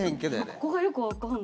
ここがよく分かんない。